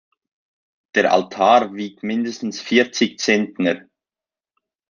Der Altar wiegt mindestens vierzig Zentner.